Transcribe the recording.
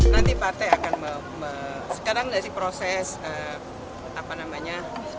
nanti pate akan sekarang ada sih proses apa namanya